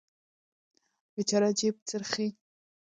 بیچاره جیب خرڅي هم نشي ډډې ته کولی.